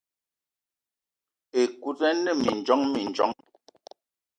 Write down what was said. Ekut ine mindjong mindjong.